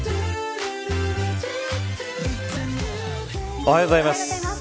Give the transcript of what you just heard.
おはようございます。